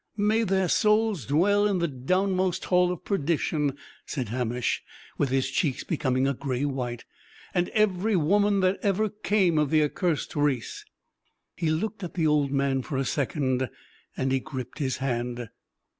"May their souls dwell in the downmost hall of perdition!" said Hamish, with his cheeks becoming a gray white; "and every woman that ever came of the accursed race!" He looked at the old man for a second, and he gripped his hand.